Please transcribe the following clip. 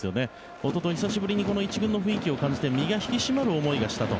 おととい、久しぶりに１軍の雰囲気を感じて身が引き締まる思いがしたと。